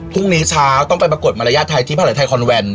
พรุ่งนี้เช้าต้องไปปรากฏมารยาทไทยที่ภาษาไทยคอนแวน